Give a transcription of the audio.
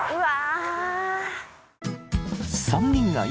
うわ